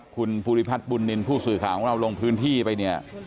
คุณภุริภาคบูรณินพูดสื่อค่าของเราลงพื้นที่ไปเนี่ย